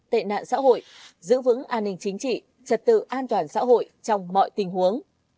tệ nạn xã hội giữ vững an ninh chính trị trật tự an toàn xã hội trong mọi tình huống